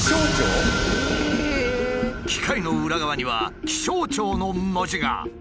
機械の裏側には「気象庁」の文字が。